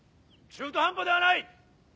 中途半端ではない！